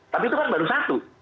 tapi itu kan baru satu